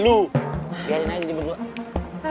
biarin aja dia berdua